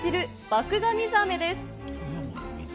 麦芽水あめです。